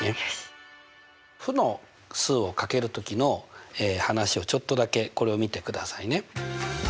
負の数を掛ける時の話をちょっとだけこれを見てくださいね。